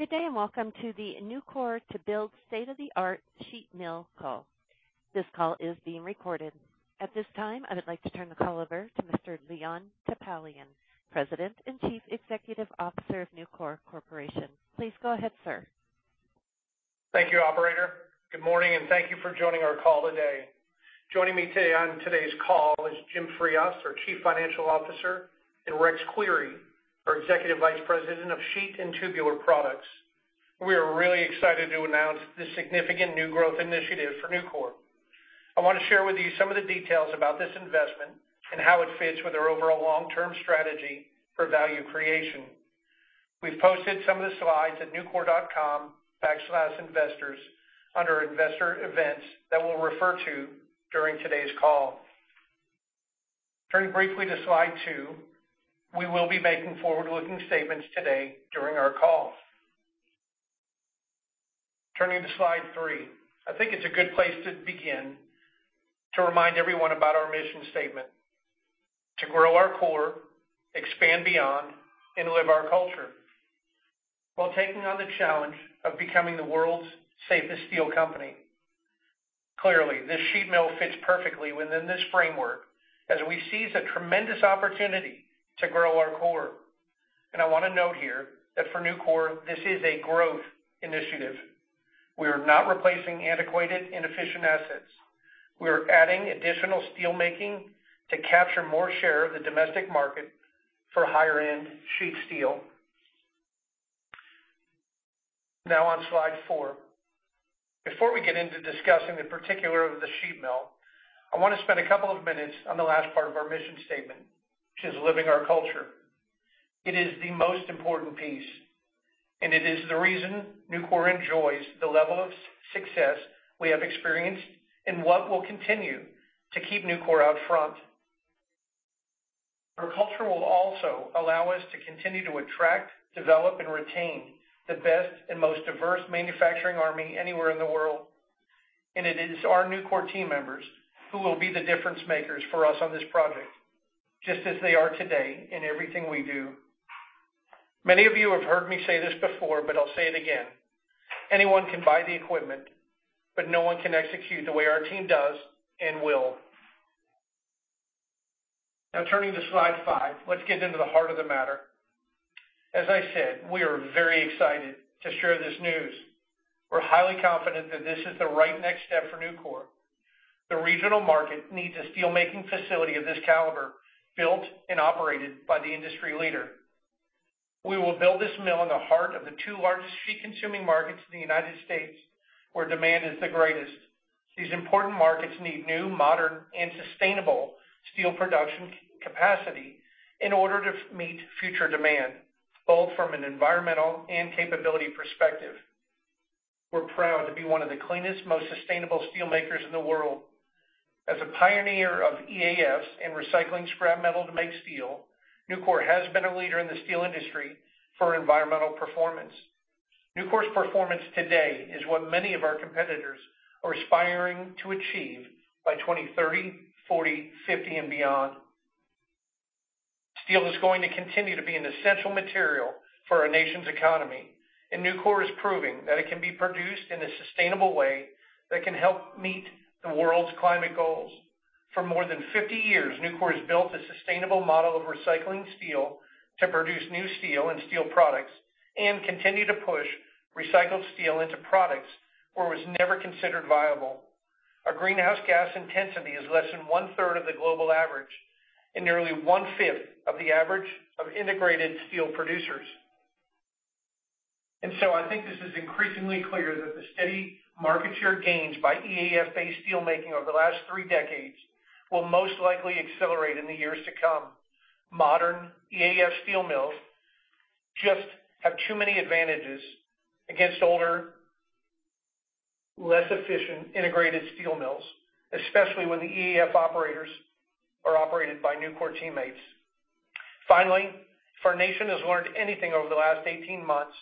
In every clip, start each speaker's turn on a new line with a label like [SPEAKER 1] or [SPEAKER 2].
[SPEAKER 1] Good day, welcome to the Nucor to Build State-of-the-Art Sheet Mill call. This call is being recorded. At this time, I would like to turn the call over to Mr. Leon Topalian, President and Chief Executive Officer of Nucor Corporation. Please go ahead, sir.
[SPEAKER 2] Thank you, operator. Good morning. Thank you for joining our call today. Joining me today on today's call is Jim Frias, our Chief Financial Officer, and Rex Query, our Executive Vice President of Sheet and Tubular Products. We are really excited to announce this significant new growth initiative for Nucor. I want to share with you some of the details about this investment and how it fits with our overall long-term strategy for value creation. We've posted some of the slides at nucor.com/investors under Investor Events that we'll refer to during today's call. Turning briefly to slide two, we will be making forward-looking statements today during our call. Turning to slide three. I think it's a good place to begin to remind everyone about our mission statement: to grow our core, expand beyond, and live our culture while taking on the challenge of becoming the world's safest steel company. Clearly, this sheet mill fits perfectly within this framework as we seize a tremendous opportunity to grow our core. I want to note here that for Nucor, this is a growth initiative. We are not replacing antiquated, inefficient assets. We are adding additional steelmaking to capture more share of the domestic market for higher-end sheet steel. On slide four. Before we get into discussing the particulars of the sheet mill, I want to spend a couple of minutes on the last part of our mission statement, which is living our culture. It is the most important piece, and it is the reason Nucor enjoys the level of success we have experienced and what will continue to keep Nucor out front. Our culture will also allow us to continue to attract, develop, and retain the best and most diverse manufacturing army anywhere in the world. It is our Nucor team members who will be the difference-makers for us on this project, just as they are today in everything we do. Many of you have heard me say this before, but I'll say it again. Anyone can buy the equipment, but no one can execute the way our team does and will. Turning to slide five. Let's get into the heart of the matter. As I said, we are very excited to share this news. We're highly confident that this is the right next step for Nucor. The regional market needs a steelmaking facility of this caliber, built and operated by the industry leader. We will build this mill in the heart of the two largest sheet-consuming markets in the U.S., where demand is the greatest. These important markets need new, modern, and sustainable steel production capacity in order to meet future demand, both from an environmental and capability perspective. We're proud to be one of the cleanest, most sustainable steelmakers in the world. As a pioneer of EAF and recycling scrap metal to make steel, Nucor has been a leader in the steel industry for environmental performance. Nucor's performance today is what many of our competitors are aspiring to achieve by 2030, 2040, 2050, and beyond. Steel is going to continue to be an essential material for our nation's economy, and Nucor is proving that it can be produced in a sustainable way that can help meet the world's climate goals. For more than 50 years, Nucor has built a sustainable model of recycling steel to produce new steel and steel products and continue to push recycled steel into products where it was never considered viable. Our greenhouse gas intensity is less than 1/3 of the global average and nearly 1/5 of the average of integrated steel producers. I think this is increasingly clear that the steady market share gains by EAF-based steelmaking over the last three decades will most likely accelerate in the years to come. Modern EAF steel mills just have too many advantages against older, less efficient integrated steel mills, especially when the EAF operators are operated by Nucor teammates. Finally, if our nation has learned anything over the last 18 months,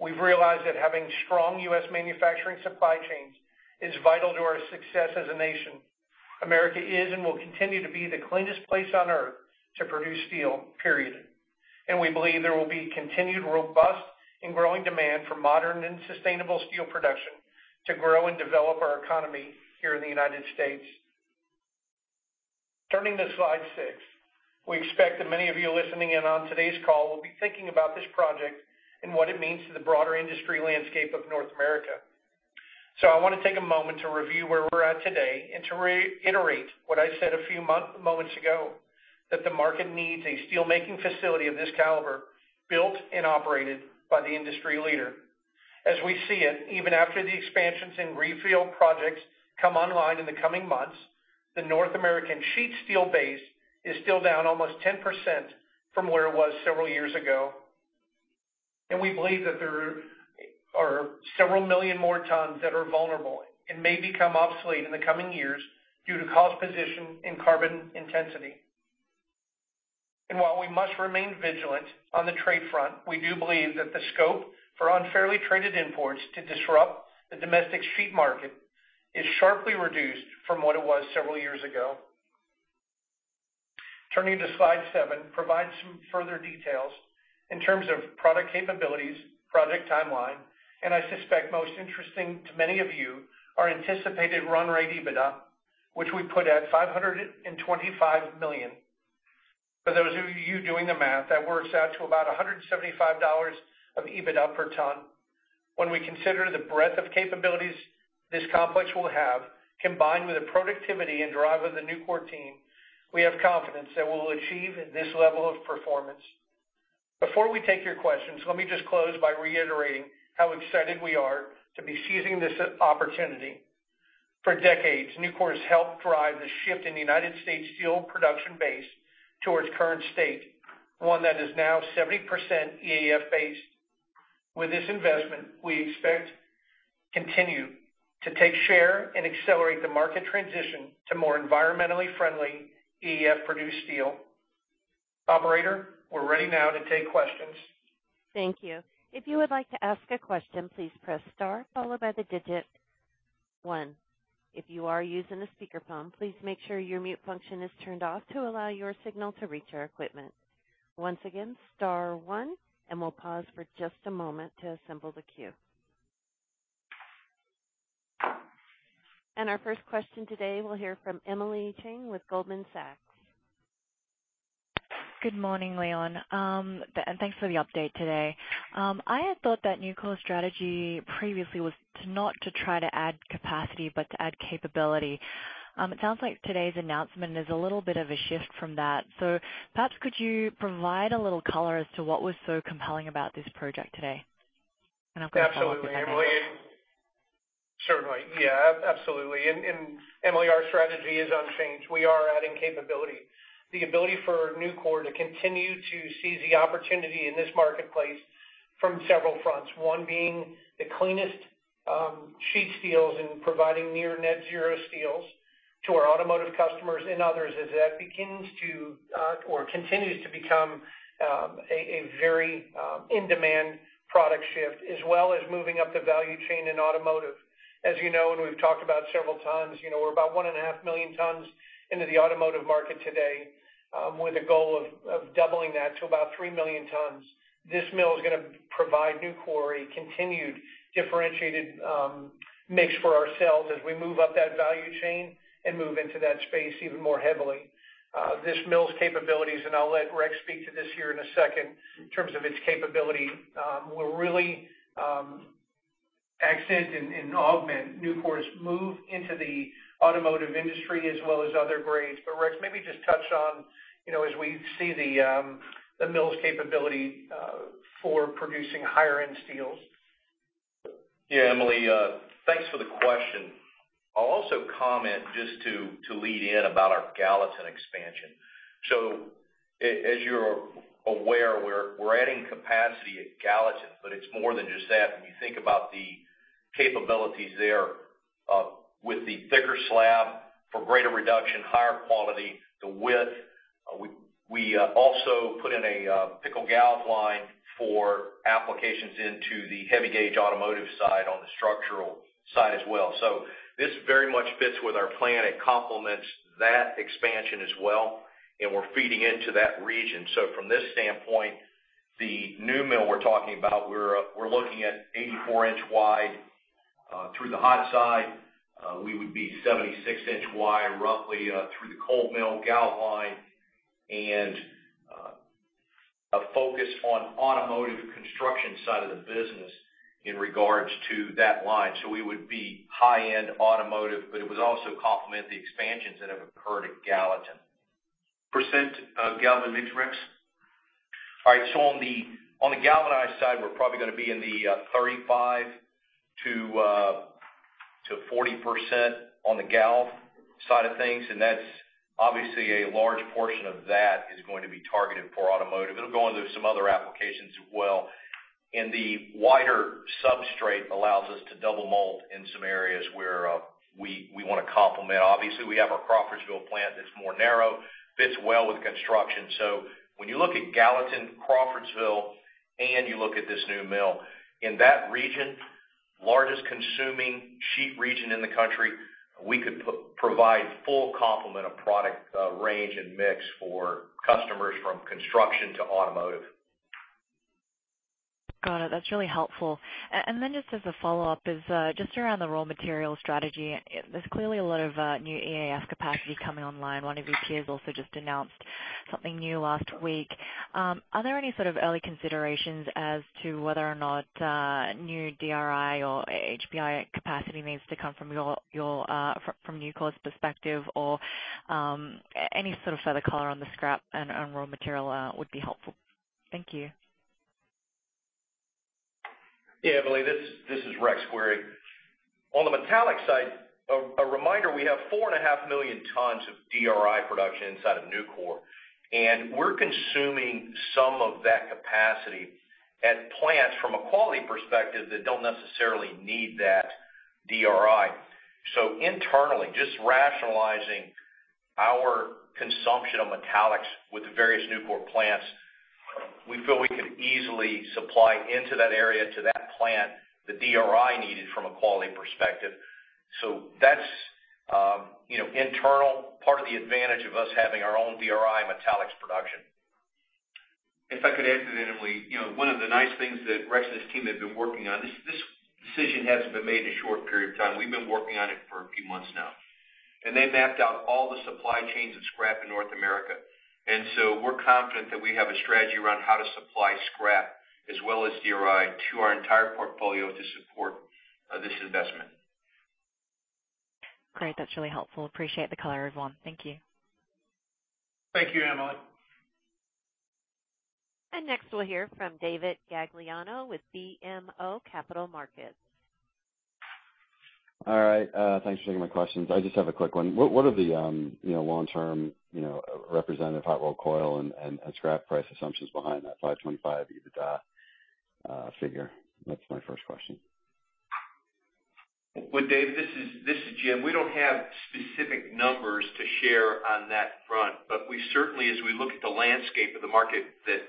[SPEAKER 2] we've realized that having strong U.S. manufacturing supply chains is vital to our success as a nation. America is and will continue to be the cleanest place on Earth to produce steel. We believe there will be continued robust and growing demand for modern and sustainable steel production to grow and develop our economy here in the U.S. Turning to slide six. We expect that many of you listening in on today's call will be thinking about this project and what it means to the broader industry landscape of North America. I want to take a moment to review where we're at today and to reiterate what I said a few moments ago, that the market needs a steelmaking facility of this caliber built and operated by the industry leader. As we see it, even after the expansions in greenfield projects come online in the coming months, the North American sheet steel base is still down almost 10% from where it was several years ago. We believe that there are several million more tons that are vulnerable and may become obsolete in the coming years due to cost position and carbon intensity. While we must remain vigilant on the trade front, we do believe that the scope for unfairly traded imports to disrupt the domestic sheet market is sharply reduced from what it was several years ago. Turning to slide seven, provide some further details in terms of product capabilities, project timeline, and I suspect most interesting to many of you, our anticipated run rate EBITDA, which we put at $525 million. For those of you doing the math, that works out to about $175 of EBITDA per ton. When we consider the breadth of capabilities this complex will have, combined with the productivity and drive of the Nucor team, we have confidence that we'll achieve this level of performance. Before we take your questions, let me just close by reiterating how excited we are to be seizing this opportunity. For decades, Nucor's helped drive the shift in the United States steel production base towards current state, one that is now 70% EAF-based. With this investment, we expect to continue to take share and accelerate the market transition to more environmentally friendly EAF-produced steel. Operator, we're ready now to take questions.
[SPEAKER 1] Thank you. If you would like to ask a question, please press star followed by one. If you are using a speakerphone, please make sure your mute function is turned off to allow your signal to reach our equipment. Once again, star one, we'll pause for just a moment to assemble the queue. Our first question today, we'll hear from Emily Chieng with Goldman Sachs.
[SPEAKER 3] Good morning, Leon. Thanks for the update today. I had thought that Nucor's strategy previously was not to try to add capacity, but to add capability. It sounds like today's announcement is a little bit of a shift from that. Perhaps could you provide a little color as to what was so compelling about this project today? I've got a follow-up as well.
[SPEAKER 2] Absolutely, Emily. Certainly. Yeah, absolutely. Emily, our strategy is unchanged. We are adding capability. The ability for Nucor to continue to seize the opportunity in this marketplace from several fronts, one being the cleanest sheet steels and providing near-zero emissions steels to our automotive customers and others as that begins to, or continues to become a very in-demand product shift, as well as moving up the value chain in automotive. As you know, and we've talked about several times, we're about 1.5 million tons into the automotive market today, with a goal of doubling that to about 3 million tons. This mill is going to provide Nucor a continued differentiated mix for ourselves as we move up that value chain and move into that space even more heavily. This mill's capabilities, and I'll let Rex speak to this here in a second, in terms of its capability, will really accent and augment Nucor's move into the automotive industry as well as other grades. Rex, maybe just touch on, as we see the mill's capability for producing higher-end steels.
[SPEAKER 4] Emily, thanks for the question. I'll also comment just to lead in about our Gallatin expansion. As you're aware, we're adding capacity at Gallatin, but it's more than just that. When you think about the capabilities there with the thicker slab for greater reduction, higher quality, the width. We also put in a pickle galv line for applications into the heavy gauge automotive side on the structural side as well. This very much fits with our plan. It complements that expansion as well, and we're feeding into that region. From this standpoint, the new mill we're talking about, we're looking at 84-inch wide through the hot side. We would be 76-inch wide, roughly, through the cold mill galv line, and a focus on automotive construction side of the business in regards to that line. We would be high-end automotive, but it would also complement the expansions that have occurred at Gallatin.
[SPEAKER 2] Percent of galv mix, Rex?
[SPEAKER 4] All right. On the galvanized side, we're probably gonna be in the 35%-40% on the galv side of things, and obviously a large portion of that is going to be targeted for automotive. It'll go into some other applications as well. The wider substrate allows us to double mold in some areas where we want to complement. Obviously, we have our Crawfordsville plant that's more narrow, fits well with construction. When you look at Gallatin, Crawfordsville, and you look at this new mill, in that region, largest consuming sheet region in the country, we could provide full complement of product range and mix for customers from construction to automotive.
[SPEAKER 3] Got it. That's really helpful. Just as a follow-up is just around the raw material strategy. There's clearly a lot of new EAF capacity coming online. One of your peers also just announced something new last week. Are there any sort of early considerations as to whether or not new DRI or HBI capacity needs to come from Nucor's perspective or any sort of further color on the scrap and on raw material would be helpful. Thank you.
[SPEAKER 4] Emily. This is Rex Query. On the metallic side, a reminder, we have 4.5 million tons of DRI production inside of Nucor, and we're consuming some of that capacity at plants from a quality perspective that don't necessarily need that DRI. Internally, just rationalizing our consumption of metallics with the various Nucor plants. We feel we can easily supply into that area, to that plant, the DRI needed from a quality perspective. That's internal, part of the advantage of us having our own DRI metallics production.
[SPEAKER 2] If I could add to that, Emily. One of the nice things that Rex and his team have been working on, this decision hasn't been made in a short period of time. We've been working on it for a few months now. They mapped out all the supply chains of scrap in North America. We're confident that we have a strategy around how to supply scrap, as well as DRI, to our entire portfolio to support this investment.
[SPEAKER 3] Great. That's really helpful. Appreciate the color, everyone. Thank you.
[SPEAKER 2] Thank you, Emily.
[SPEAKER 1] Next, we'll hear from David Gagliano with BMO Capital Markets.
[SPEAKER 5] All right, thanks for taking my questions. I just have a quick one. What are the long-term representative hot-rolled coil and scrap price assumptions behind that $525 EBITDA figure? That's my first question.
[SPEAKER 6] Dave, this is Jim. We don't have specific numbers to share on that front. We certainly, as we look at the landscape of the market that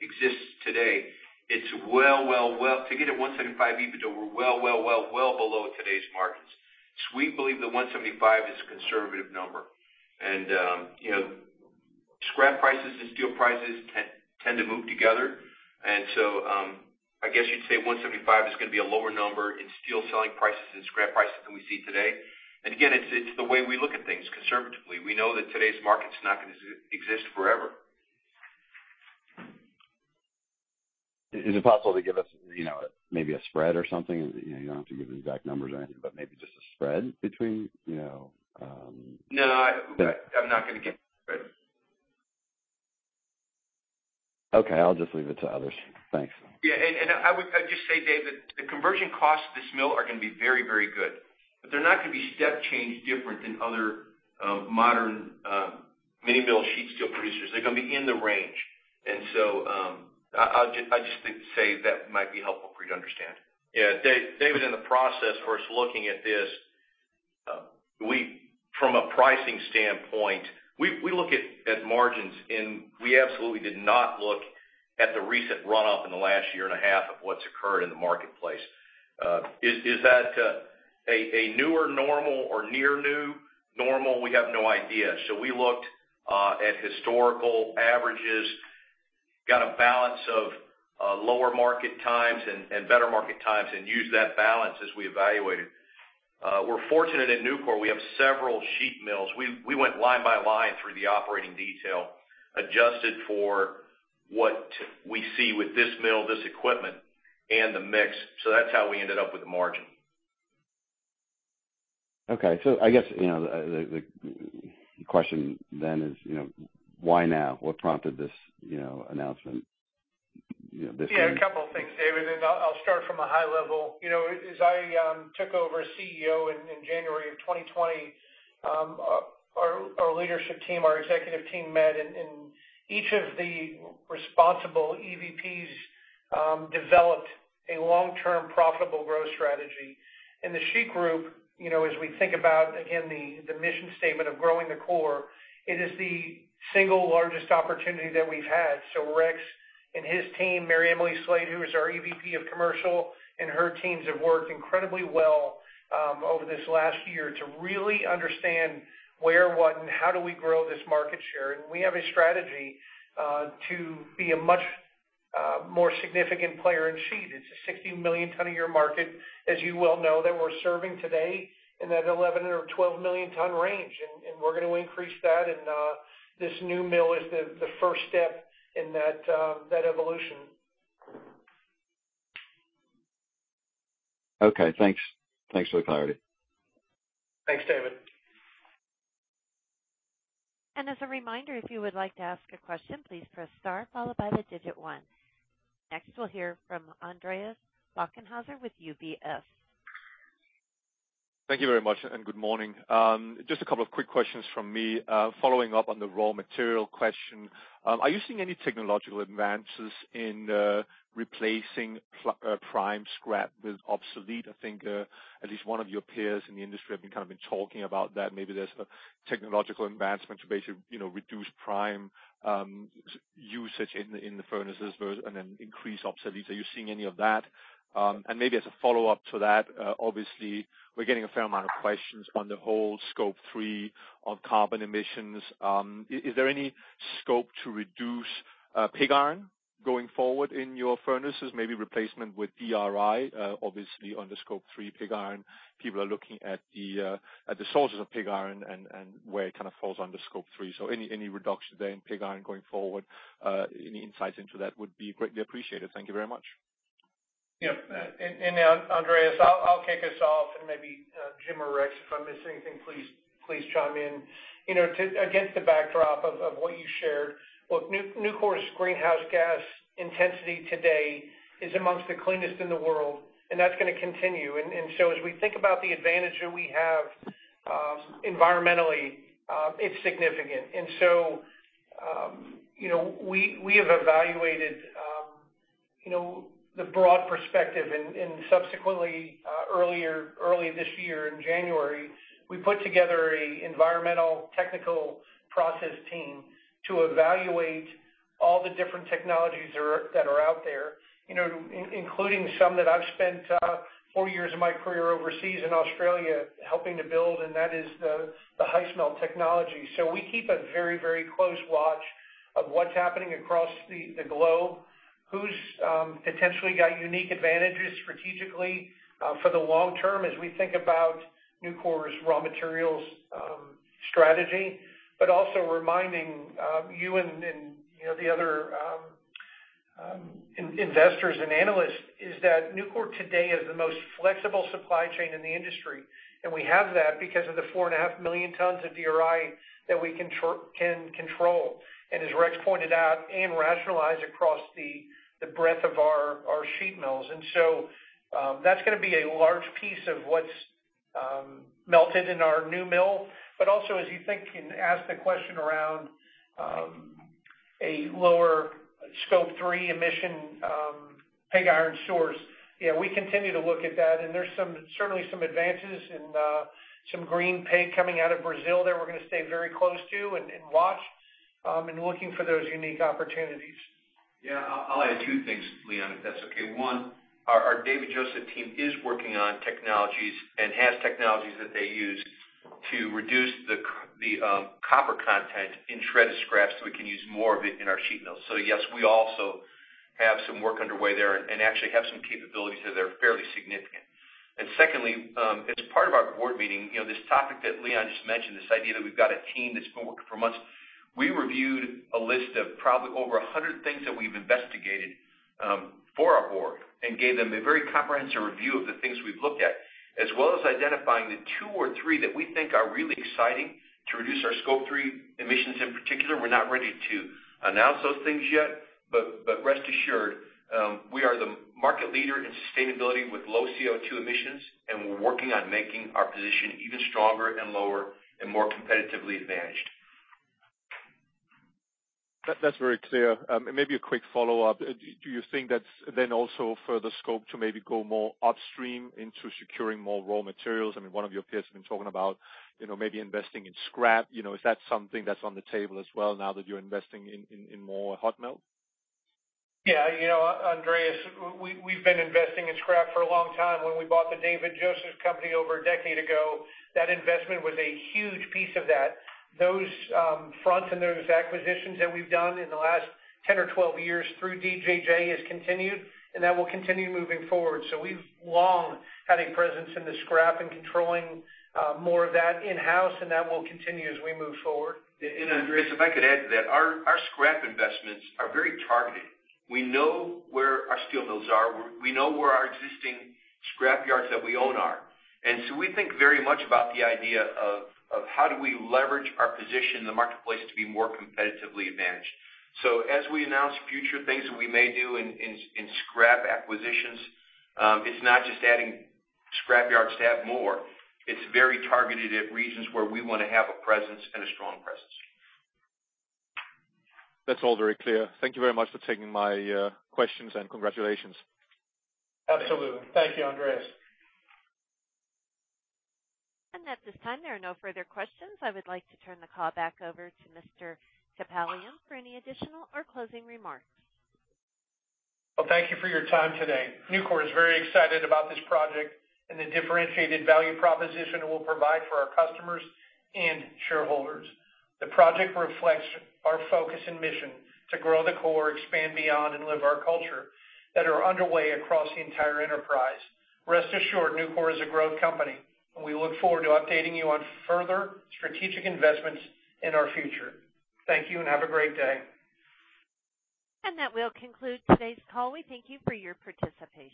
[SPEAKER 6] exists today, to get a $175 EBITDA, we're well below today's markets. We believe the $175 is a conservative number. Scrap prices and steel prices tend to move together. I guess you'd say $175 is going to be a lower number in steel selling prices and scrap prices than we see today. Again, it's the way we look at things, conservatively. We know that today's market's not going to exist forever.
[SPEAKER 5] Is it possible to give us maybe a spread or something? You don't have to give exact numbers or anything, but maybe just a spread.
[SPEAKER 6] No, I'm not going to give a spread.
[SPEAKER 5] Okay, I'll just leave it to others. Thanks.
[SPEAKER 6] Yeah, I would just say, David, the conversion costs of this mill are going to be very good, but they're not going to be step change different than other modern mini mill sheet steel producers. They're going to be in the range. I just think to say that might be helpful for you to understand.
[SPEAKER 4] Yeah, David, in the process for us looking at this, from a pricing standpoint, we look at margins, and we absolutely did not look at the recent run-up in the last 1.5 years of what's occurred in the marketplace. Is that a newer normal or near new normal? We have no idea. We looked at historical averages, got a balance of lower market times and better market times, and used that balance as we evaluated. We're fortunate at Nucor, we have several sheet mills. We went line by line through the operating detail, adjusted for what we see with this mill, this equipment, and the mix. That's how we ended up with the margin.
[SPEAKER 5] Okay. I guess, the question then is, why now? What prompted this announcement this week?
[SPEAKER 2] Yeah, a couple of things, David, and I'll start from a high level. As I took over as CEO in January of 2020, our leadership team, our executive team met, and each of the responsible EVPs developed a long-term profitable growth strategy. In the sheet group, as we think about, again, the mission statement of growing the core, it is the single largest opportunity that we've had. Rex and his team, MaryEmily Slate, who is our EVP of commercial, and her teams have worked incredibly well over this last year to really understand where, what, and how do we grow this market share. We have a strategy to be a much more significant player in sheet. It's a 60-million-ton a year market, as you well know, that we're serving today in that 11 or 12-million ton range. We're going to increase that, and this new mill is the first step in that evolution.
[SPEAKER 5] Okay, thanks. Thanks for the clarity.
[SPEAKER 2] Thanks, David.
[SPEAKER 1] As a reminder, if you would like to ask a question, please press star followed by the digit one. Next, we'll hear from Andreas Bokkenheuser with UBS.
[SPEAKER 7] Thank you very much. Good morning. Just a couple of quick questions from me. Following up on the raw material question, are you seeing any technological advances in replacing prime scrap with obsolete? I think at least one of your peers in the industry have been kind of been talking about that. Maybe there's a technological advancement to basically reduce prime usage in the furnaces, and then increase obsolete. Are you seeing any of that? Maybe as a follow-up to that, obviously, we're getting a fair amount of questions on the whole Scope 3 of carbon emissions. Is there any scope to reduce pig iron going forward in your furnaces? Maybe replacement with DRI? Obviously, under Scope 3 pig iron, people are looking at the sources of pig iron and where it kind of falls under Scope 3. Any reduction there in pig iron going forward? Any insights into that would be greatly appreciated. Thank you very much.
[SPEAKER 2] Yeah. Andreas, I'll kick us off and maybe Jim or Rex, if I miss anything, please chime in. Against the backdrop of what you shared, Nucor's greenhouse gas intensity today is amongst the cleanest in the world, and that's going to continue. As we think about the advantage that we have environmentally, it's significant. We have evaluated The broad perspective, and subsequently, early this year in January, we put together an environmental technical process team to evaluate all the different technologies that are out there, including some that I've spent four years of my career overseas in Australia helping to build, and that is the HIsmelt technology. We keep a very close watch of what's happening across the globe. Who's potentially got unique advantages strategically for the long term as we think about Nucor's raw materials strategy, but also reminding you and the other investors and analysts is that Nucor today is the most flexible supply chain in the industry, and we have that because of the 4.5 million tons of DRI that we can control, and as Rex pointed out, and rationalize across the breadth of our sheet mills. That's going to be a large piece of what's melted in our new mill. Also as you think and ask the question around a lower Scope 3 emission pig iron source, we continue to look at that, and there's certainly some advances in some green pig coming out of Brazil there we're going to stay very close to and watch, and looking for those unique opportunities.
[SPEAKER 6] Yeah, I'll add two things, Leon, if that's okay. One, our David J. Joseph team is working on technologies and has technologies that they use to reduce the copper content in shredded scrap so we can use more of it in our sheet mills. Yes, we also have some work underway there and actually have some capabilities that are fairly significant. Secondly, as part of our board meeting, this topic that Leon just mentioned, this idea that we've got a team that's been working for months, we reviewed a list of probably over 100 things that we've investigated for our board and gave them a very comprehensive review of the things we've looked at, as well as identifying the two or three that we think are really exciting to reduce our Scope 3 emissions in particular. We're not ready to announce those things yet, but rest assured, we are the market leader in sustainability with low CO2 emissions, and we're working on making our position even stronger and lower and more competitively advantaged.
[SPEAKER 7] That's very clear. Maybe a quick follow-up. Do you think that's then also further scope to maybe go more upstream into securing more raw materials? One of your peers has been talking about maybe investing in scrap. Is that something that's on the table as well now that you're investing in more hot melt?
[SPEAKER 2] Yeah. Andreas, we've been investing in scrap for a long time. When we bought The David J. Joseph Company over a decade ago, that investment was a huge piece of that. Those fronts and those acquisitions that we've done in the last 10 or 12 years through DJJ has continued, and that will continue moving forward. We've long had a presence in the scrap and controlling more of that in-house, and that will continue as we move forward.
[SPEAKER 6] Andreas, if I could add to that. Our scrap investments are very targeted. We know where our steel mills are. We know where our existing scrapyards that we own are. We think very much about the idea of how do we leverage our position in the marketplace to be more competitively advantaged. As we announce future things that we may do in scrap acquisitions, it's not just adding scrapyards to have more. It's very targeted at regions where we want to have a presence and a strong presence.
[SPEAKER 7] That's all very clear. Thank you very much for taking my questions, and congratulations.
[SPEAKER 2] Absolutely. Thank you, Andreas.
[SPEAKER 1] At this time, there are no further questions. I would like to turn the call back over to Mr. Topalian for any additional or closing remarks.
[SPEAKER 2] Thank you for your time today. Nucor is very excited about this project and the differentiated value proposition it will provide for our customers and shareholders. The project reflects our focus and mission to grow the core, expand beyond, and live our culture that are underway across the entire enterprise. Rest assured, Nucor is a growth company, and we look forward to updating you on further strategic investments in our future. Thank you, and have a great day.
[SPEAKER 1] That will conclude today's call. We thank you for your participation.